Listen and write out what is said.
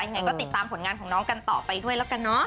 ยังไงก็ติดตามผลงานของน้องกันต่อไปด้วยแล้วกันเนอะ